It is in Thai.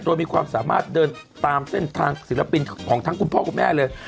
โดยมีความสามารถเดินตามเส้นทางศิลปินของทั้งคุณพ่อคุณแม่เลย